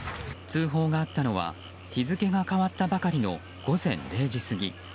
通報があったのは、日付が変わったばかりの午前０時過ぎ。